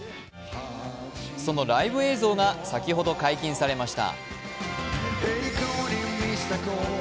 そのライブ映像が先ほど解禁されました。